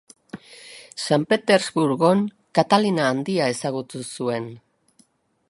San Petersburgon Katalina Handia ezagutu zuen.